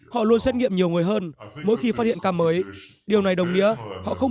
họ luôn xét nghiệm nhiều người hơn mỗi khi phát hiện ca mới điều này đồng nghĩa họ không